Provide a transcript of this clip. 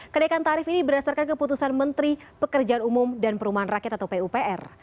kenaikan tarif ini berdasarkan keputusan menteri pekerjaan umum dan perumahan rakyat atau pupr